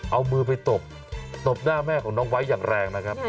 เอามือไปตบตบหน้าแม่ของน้องไว้อย่างแรงนะครับ